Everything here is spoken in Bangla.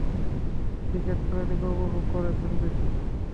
তিনি ক্রিকেট খেলাটিকে উপভোগ করেছেন বেশি।